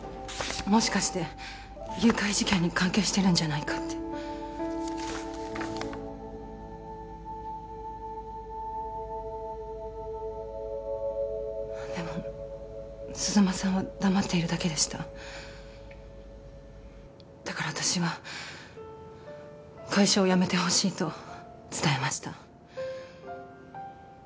もしかして誘拐事件に関係してるんじゃないかってでも鈴間さんは黙っているだけでしただから私は会社を辞めてほしいと伝えました